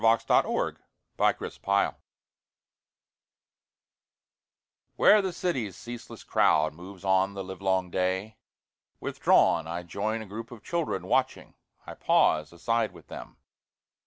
Sparkles from the Wheel Where the cityâs ceaseless crowd moves on the livelong day, Withdrawn I join a group of children watching, I pause aside with them.